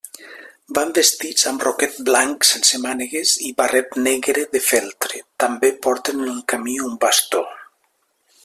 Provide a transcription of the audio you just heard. Van vestits amb roquet blanc sense mànegues i barret negre de feltre, també porten en el camí un bastó.